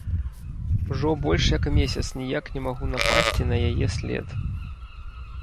Ужо больш як месяц ніяк не магу напасці на яе след.